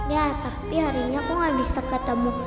ya tapi hari ini aku nggak bisa ketemu